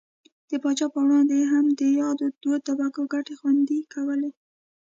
پاچا پر وړاندې یې هم د یادو دوو طبقو ګټې خوندي کولې.